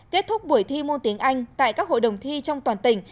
kết thúc buổi thi môn tiếng anh tại các hội đồng thi trong toàn tỉnh